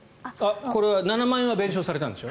これは７万円は弁償されたんでしょ？